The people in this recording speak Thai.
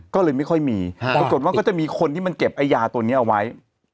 ก็เลยไม่ค่อยมีปรากฏว่าก็จะมีคนที่มันเก็บไอ้ยาตัวนี้เอาไว้